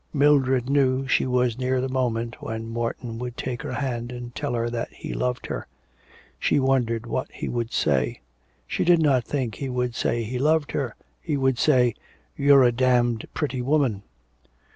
Mildred knew she was near the moment when Morton would take her hand and tell her that he loved her. She wondered what he would say. She did not think he would say he loved her, he would say: 'You're a damned pretty woman.'